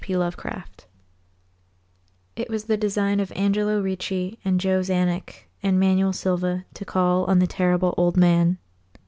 P. Lovecraft It was the design of Angelo Ricci and Joe Czanek and Manuel Silva to call on the Terrible Old Man.